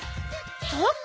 そっか！